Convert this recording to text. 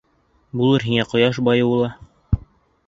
Булыр һиңә ҡояш байыуы ла.